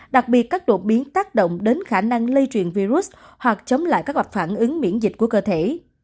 đặc biệt các đột biến tác động đến khả năng lây truyền virus hoặc chống lại các gặp phản ứng miễn dịch của cơ thể